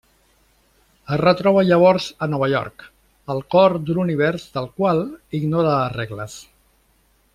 Es retroba llavors a Nova York al cor d'un univers del qual ignora les regles.